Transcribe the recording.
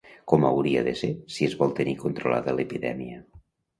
Com hauria de ser si es vol tenir controlada l'epidèmia?